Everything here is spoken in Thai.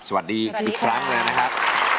สวัสดีอีกครั้งเลยนะครับ